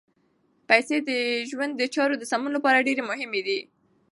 پیسې د ژوند د چارو د سمون لپاره ډېرې مهمې دي.